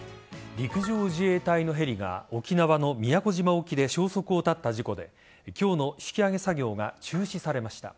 陸上自衛隊のヘリが沖縄の宮古島沖で消息を絶った事故で今日の引き揚げ作業が中止されました。